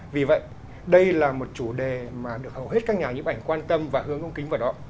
vì vậy đây là một chủ đề mà được hầu hết các nhà nhếp ảnh quan tâm và hướng ông kính vào đó